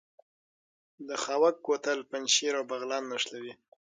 د خاوک کوتل پنجشیر او بغلان نښلوي